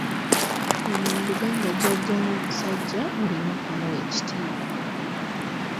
Wano mu Buganda Jjajjaawo omusajja olina okumuwa ekitiibwa.